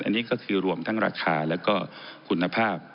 อันนี้ก็คือรวมทั้งราคาแล้วก็คุณภาพ